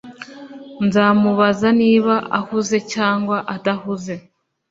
Nzamubaza niba ahuze cyangwa adahuze